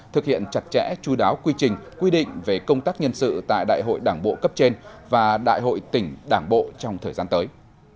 thực hiện chặt chẽ chú đáo quy trình quy định về công tác nhân sự tại đại hội đảng bộ cấp trên và đại hội tỉnh đảng bộ trong thời gian tới